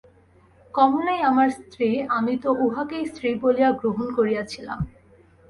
কমলাই আমার স্ত্রী–আমি তো উহাকে স্ত্রী বলিয়াই গ্রহণ করিয়াছিলাম।